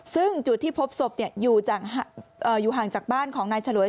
ซึ่งจุดที่พบศพอยู่ห่างจากบ้านของนายฉลวย